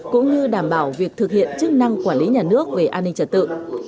cũng như đảm bảo việc thực hiện chức năng quản lý nhà nước về an ninh trật tự